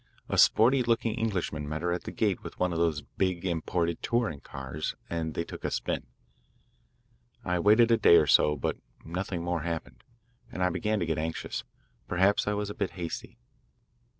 A sporty looking Englishman met her at the gate with one of those big imported touring cars, and they took a spin. "I waited a day or so, but nothing more happened, and I began to get anxious. Perhaps I was a bit hasty.